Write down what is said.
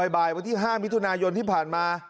บ่ายวันที่๕มิถุนายนที่ผ่านมา